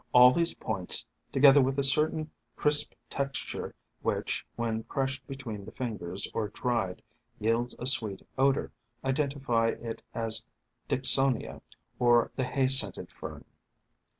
All these points, together with a certain crisp tex ture which, when crushed between the fingers or dried, yields a sweet odor, iden tify it as Dicksonia or the Hay scented Fern.